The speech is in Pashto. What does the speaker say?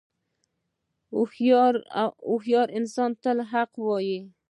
• هوښیار انسان تل حق وایی.